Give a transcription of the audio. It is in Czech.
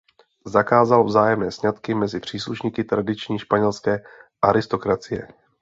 Zakázal vzájemné sňatky mezi příslušníky tradiční španělské aristokracie.